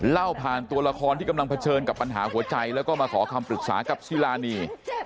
เล่าผ่านตัวละครที่กำลังเผชิญกับปัญหาหัวใจแล้วก็มาขอคำปรึกษากับซีรานี